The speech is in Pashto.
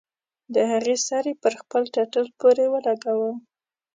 د هغې سر يې پر خپل ټټر پورې ولګاوه.